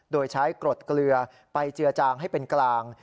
โดยใช้กรดเกลือไปเจือจางให้เป็นกลาง